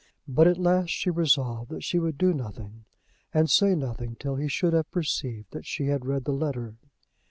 But at last she resolved that she would do nothing and say nothing till he should have perceived that she had read the letter.